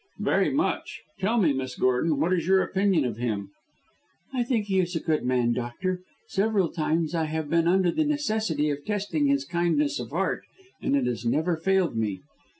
"Very much. Tell me, Miss Gordon, what is your opinion of him?" "I think he is a good man, doctor. Several times I have been under the necessity of testing his kindness of heart, and it has never failed me.